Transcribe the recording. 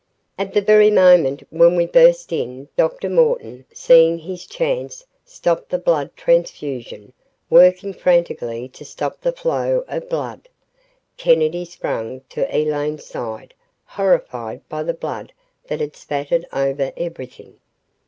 ........ At the very moment when we burst in, Dr. Morton, seeing his chance, stopped the blood transfusion, working frantically to stop the flow of blood. Kennedy sprang to Elaine's side, horrified by the blood that had spattered over everything.